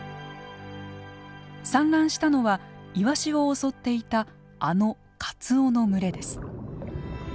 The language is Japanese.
産卵したのはイワシを襲っていたあのカツオの群れです。